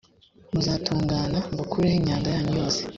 muzatungana mbakureho imyanda yanyu yose